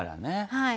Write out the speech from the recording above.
はい。